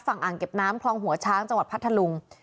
อ่างเก็บน้ำคลองหัวช้างจังหวัดพัทธลุง